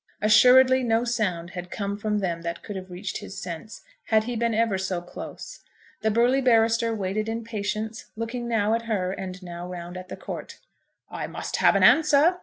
Assuredly no sound had come from them that could have reached his sense, had he been ever so close. The burly barrister waited in patience, looking now at her, and now round at the court. "I must have an answer.